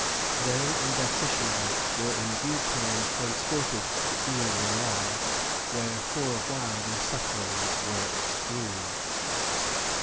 " They and their fishing boats were in due time transported to Isle Royale, where for a while their sufferings were extreme.